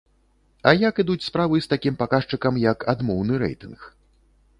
А як ідуць справы з такім паказчыкам, як адмоўны рэйтынг?